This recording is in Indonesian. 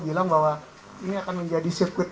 bilang bahwa ini akan menjadi sirkuit